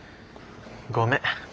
ごめん。